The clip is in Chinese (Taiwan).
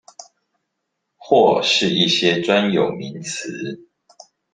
或是一些專有名詞